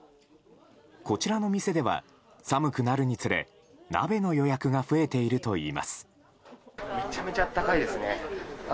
こちらの店では寒くなるにつれ鍋の予約が増えているといいます。